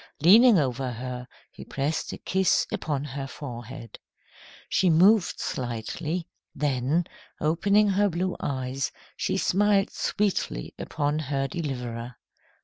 Leaning over her, he pressed a kiss upon her forehead. She moved slightly; then, opening her blue eyes, she smiled sweetly upon her deliverer.